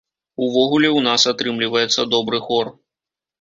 Увогуле, у нас атрымліваецца добры хор.